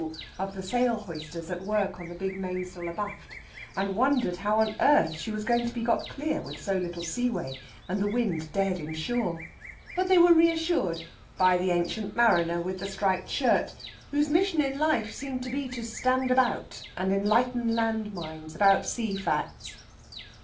of the sail hoisters at work on the big mainsail abaft, and wondered how on earth she was going to be got clear with so little sea way and the wind dead in shore. But they were reassured by the ancient mariner with the striped shirt, whose mission in life seemed to be to stand about and enlighten land minds about sea facts.